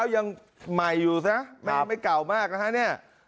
ยังใหม่อยู่นะแม่งไม่เก่ามากนะ